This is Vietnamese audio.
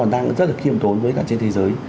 đang rất là khiêm tốn với cả trên thế giới